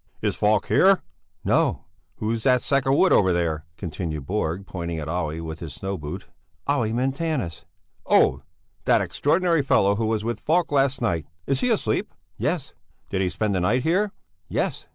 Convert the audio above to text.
"Is Falk here?" "No!" "Who is that sack of wood over there?" continued Borg, pointing at Olle with his snow boot. "Olle Montanus." "Oh! That extraordinary fellow who was with Falk last night! Is he asleep?" "Yes." "Did he spend the night here?" "Yes."